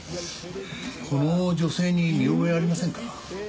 この女性に見覚えありませんか？